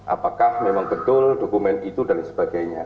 apakah memang betul dokumen itu dan sebagainya